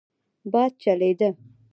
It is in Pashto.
باد چلېده.